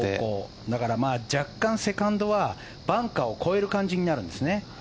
若干、セカンドはバンカーを越える感じになるんですね。